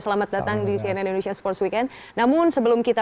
selamat siang sepak bola